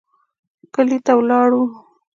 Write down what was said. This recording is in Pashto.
کلي ته ولاړو.